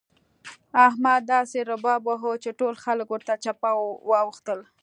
احمد داسې رباب وواهه چې ټول خلګ ورته چپه واوښتل.